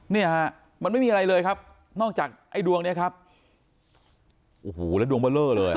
เนี่ยฮะมันไม่มีอะไรเลยครับนอกจากไอ้ดวงเนี้ยครับโอ้โหแล้วดวงเบอร์เลอร์เลย